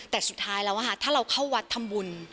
แต่สุดท้ายแล้วถ้าเราเข้าวัดทำบุญ